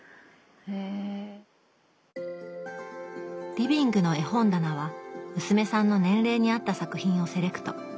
リビングの絵本棚は娘さんの年齢に合った作品をセレクト。